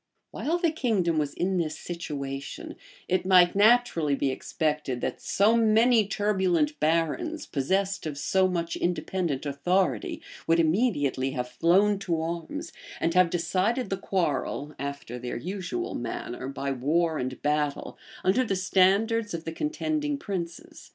While the kingdom was in this situation, it might naturally be expected that so many turbulent barons, possessed of so much independent authority, would immediately have flown to arms, and have decided the quarrel, after their usual manner, by war and battle, under the standards of the contending princes.